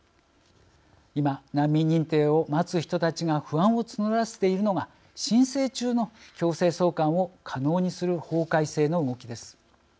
今、難民認定を待つ人たちが不安を募らせているのが申請中の強制送還を可能にする法改正の動きです。